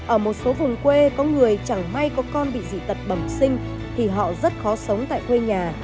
ở một số vùng quê có người chẳng may có con bị dị tật bẩm sinh thì họ rất khó sống tại quê nhà